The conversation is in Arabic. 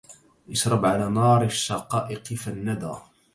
اشرب على نار الشقائق فالندى